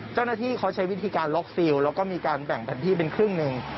เจ้าหน้าที่เขาใช้วิธีการล็อกซิลแล้วก็มีการแบ่งแผ่นที่เป็นครึ่งหนึ่ง